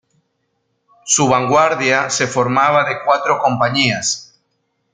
Su vanguardia se formaba de cuatro compañías.